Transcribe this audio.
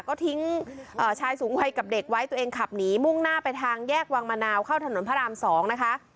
ก็ทิ้งชายสูงวัยกับเด็กไว้ตัวเองขับหนีมุ่งหน้าไปทางแยกวังมะนาวเข้าถนนพระราม๒นะคะ